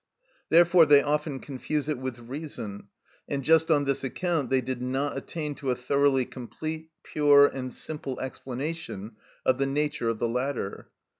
Therefore they often confuse it with reason, and just on this account they did not attain to a thoroughly complete, pure, and simple explanation of the nature of the latter.